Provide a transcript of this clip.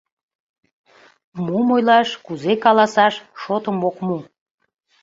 Мом ойлаш, кузе каласаш — шотым ок му.